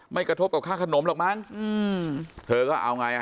กระทบกับค่าขนมหรอกมั้งอืมเธอก็เอาไงอ่ะ